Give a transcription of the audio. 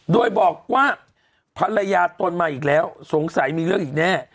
โดยบอกว่าภรรยาตนมาอีกแล้วสงสัยมีเรื่องอีกแน่